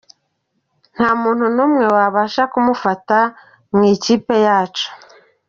Nta muntu n’umwe Wabasha kumufata mu ikipe yacu.